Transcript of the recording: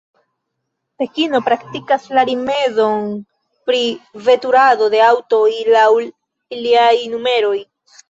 Pekino praktikas la rimedon pri veturado de aŭtoj laŭ iliaj numeroj.